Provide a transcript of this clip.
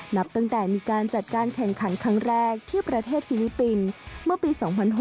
นับตั้งแต่มีการจัดการแข่งขันครั้งแรกที่ประเทศฟิลิปปินส์เมื่อปี๒๕๖๐